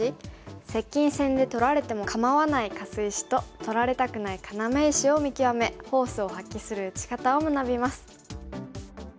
接近戦で取られても構わないカス石と取られたくない要石を見極めフォースを発揮する打ち方を学びます。